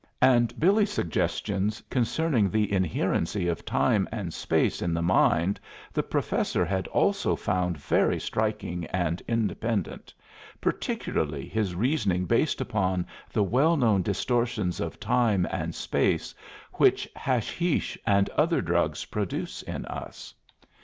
And Billy's suggestions concerning the inherency of time and space in the mind the Professor had also found very striking and independent, particularly his reasoning based upon the well known distortions of time and space which hashish and other drugs produce in us.